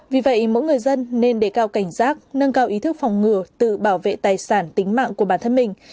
vì vậy mỗi người dân nên đề cao cảnh giác nâng cao ý thức phòng ngừa tự bảo vệ tài sản tính mạng của bản thân mình